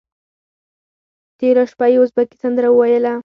تېره شپه یې ازبکي سندره وویله.